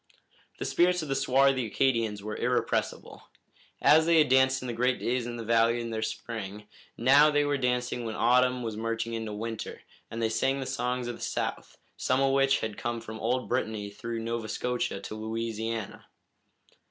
The spirits of the swarthy Acadians were irrepressible. As they had danced in the great days in the valley in the spring, now they were dancing when autumn was merging into winter, and they sang their songs of the South, some of which had come from old Brittany through Nova Scotia to Louisiana.